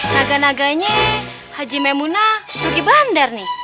naga naganya hajar maimunah pergi bander nih